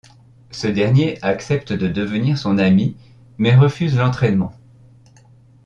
Ce dernier accepte de devenir son ami mais refuse l’entraînement.